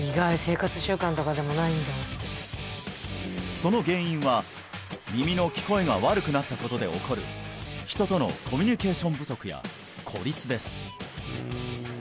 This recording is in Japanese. その原因は耳の聞こえが悪くなったことで起こる人とのコミュニケーション不足や孤立です